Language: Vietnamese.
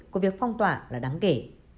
của việc phong tỏa là đáng kể